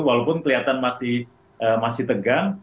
walaupun kelihatan masih tegang